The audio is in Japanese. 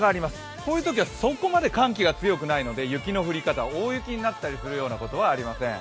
こういうときはそこまで寒気が強くないので、雪の降り方大雪になったりするようなことはありません。